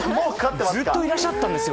ずっといらっしゃったんですよ